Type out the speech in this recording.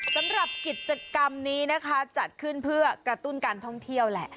สำหรับกิจกรรมนี้นะคะจัดขึ้นเพื่อกระตุ้นการท่องเที่ยวแหละ